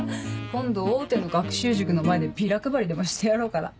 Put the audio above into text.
今度大手の学習塾の前でビラ配りでもしてやろうかな。